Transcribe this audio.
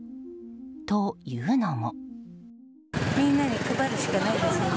というのも。